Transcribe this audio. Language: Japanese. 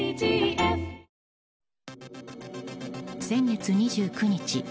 先月２９日